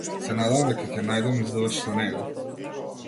Се надевам дека ќе најдам издавач за него.